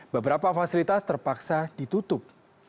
beberapa fasilitas terpaksa ditutup